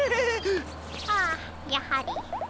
ああやはり。